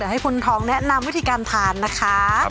ให้คุณทองแนะนำวิธีการทานนะคะ